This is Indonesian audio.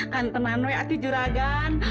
kan teman gue ati juragan